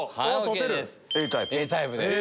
Ａタイプです。